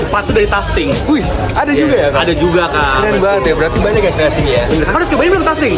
part itu dari tafting